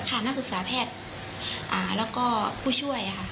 นักศึกษาแพทย์แล้วก็ผู้ช่วยค่ะ